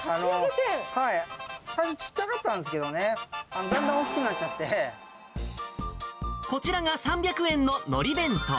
最初小っちゃかったんですけどね、だんだん大きくなっちゃっこちらが３００円ののり弁当。